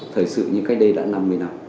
thời sự như cách đây đã năm mươi năm